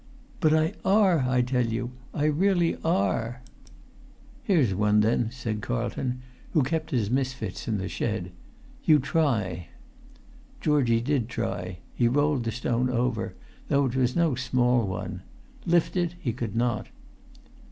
"But I are, I tell you. I really are!" "Here's one, then," said Carlton, who kept his misfits in the shed. "You try." Georgie did try. He rolled the stone over, though it was no small one; lift it he could not.